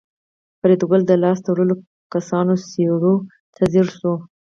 فریدګل د لاس تړلو کسانو څېرو ته ځیر شو